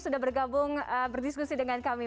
sudah bergabung berdiskusi dengan kami